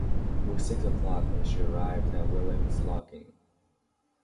It was six o’clock when she arrived at William’s lodging.